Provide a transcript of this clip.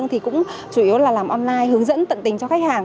nếu làm online hướng dẫn tận tình cho khách hàng